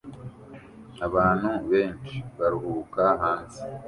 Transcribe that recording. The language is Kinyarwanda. Abantu benshi baruhuka hanze